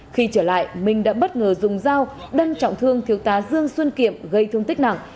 khi trở lại minh đã bất ngờ dùng dao đâm trọng thương thiếu tá dương xuân kiệm gây thương tích nặng